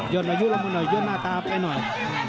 อายุละมือหน่อยย่นหน้าตาไปหน่อย